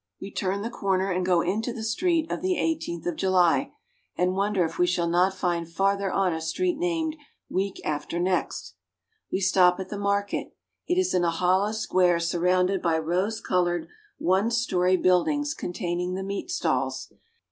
We turn the corner and go into the street of the Eighteenth of July, and wonder if we shall not find farther on a street named " Week after Next." We stop at the market. It is in a hollow square sur rounded by rose colored one story buildings containing the meat stalls.